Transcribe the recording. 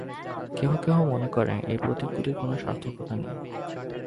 কেহ কেহ মনে করে, এই প্রতীকগুলির কোন সার্থকতা নাই।